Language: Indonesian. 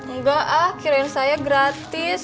enggak ah kirain saya gratis